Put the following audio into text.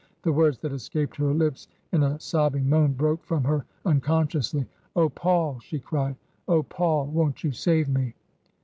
The words that escaped her lips in a sobbing moan broke from her unconsciously. " Oh, Paul !*' she cried ;" oh, Paul ! Won't you save me?"